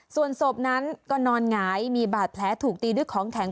ส่วนศพนั้นก็นอนหงายมีบาดแผลถูกตีด้วยของแข็ง